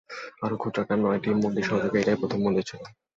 আরো ক্ষুদ্রাকার নয়টি মন্দির সহযোগে এটাই প্রধান মন্দির ছিলো।